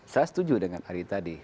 saya setuju dengan ari tadi